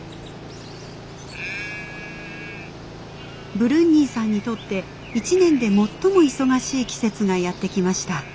ブルンニーさんにとって一年で最も忙しい季節がやって来ました。